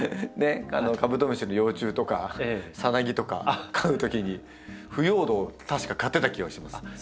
カブトムシの幼虫とかサナギとか飼うときに腐葉土を確か買ってた気がします。